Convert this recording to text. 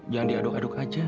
jangan diaduk aduk aja